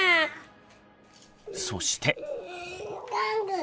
そして。